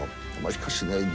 しかしね